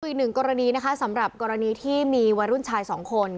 อีกหนึ่งกรณีนะคะสำหรับกรณีที่มีวัยรุ่นชายสองคน